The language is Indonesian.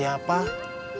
tapi kalo anah gak kerja